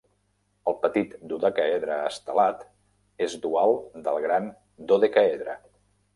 El petit dodecaedre estelat és dual del gran dodecàedre.